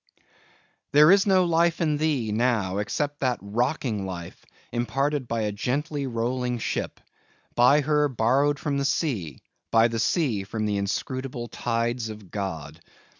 There is no life in thee, now, except that rocking life imparted by a gently rolling ship; by her, borrowed from the sea; by the sea, from the inscrutable tides of God.